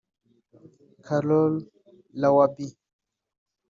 Carol Lwabi